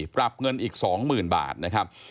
ปรับเงินอีก๒๐๐๐บาทนะครับ